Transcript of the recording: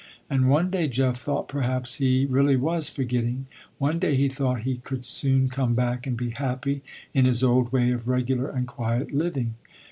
And one day Jeff thought perhaps he really was forgetting, one day he thought he could soon come back and be happy in his old way of regular and quiet living.